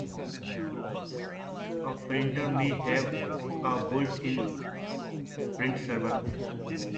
A printer may have a built-in print server.